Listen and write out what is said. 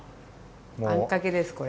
あんかけですこれ。